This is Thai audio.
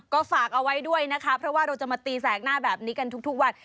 ก็ฝากเอาไว้ด้วยนะคะเพราะว่าเราจะมาตีแสกหน้าแบบนี้กันทุกวัน